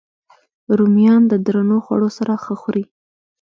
رومیان د درنو خوړو سره ښه خوري